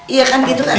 iya kan gitu kan